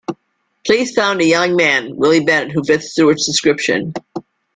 Police found a young man, Willie Bennett, who fit Stuart's description.